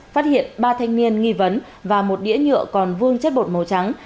phát hiện ba thanh niên nghi vấn và một đĩa nhựa còn vương chất bột màu trắng